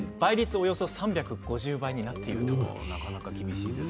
およそ３５０倍になっているということです。